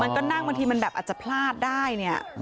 มันก็นั่งบางทีมันอาจจะพลาดได้